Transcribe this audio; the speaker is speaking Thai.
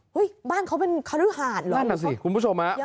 เห้ยบ้านเขาเป็นครุหารเหรอบ้านน่ะสิคุณผู้ชมฮะยังไงค่ะ